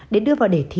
để đưa vào đề thi